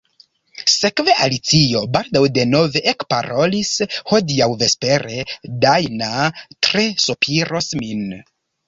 Sekve Alicio baldaŭ denove ekparolis: "Hodiaŭ vespere Dajna tre sopiros min."